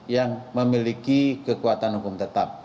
yang memiliki kekuatan hukum tetap